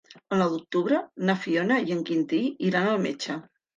El nou d'octubre na Fiona i en Quintí iran al metge.